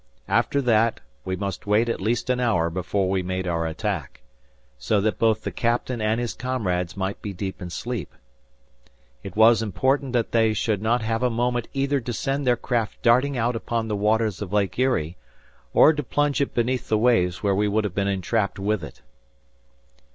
After that, we must wait at least an hour before we made our attack; so that both the Captain and his comrades might be deep in sleep. It was important that they should have not a moment either to send their craft darting out upon the waters of Lake Erie, or to plunge it beneath the waves where we would have been entrapped with it.